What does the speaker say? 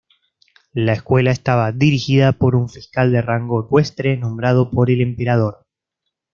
La escuela estaba dirigida por un fiscal de rango ecuestre nombrado por el emperador.